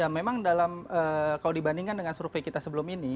ya memang dalam kalau dibandingkan dengan survei kita sebelum ini